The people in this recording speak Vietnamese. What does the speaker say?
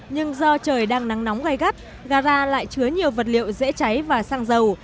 nhưng do trời đang nắng nóng gai gắt gara lại chứa nhiều vật liệu dễ cháy và xăng dầu